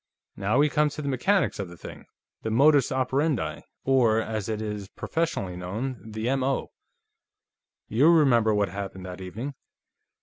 "Now, we come to the mechanics of the thing; the modus operandi, or, as it is professionally known, the M.O. You remember what happened that evening.